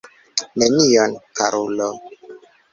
Nenion, karulo.